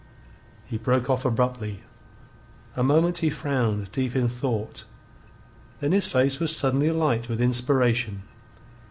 He broke off abruptly. A moment he frowned, deep in thought; then his face was suddenly alight with inspiration.